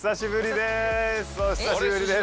お久しぶりです。